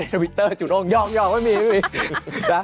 อย่าจะแย่นะกลับมา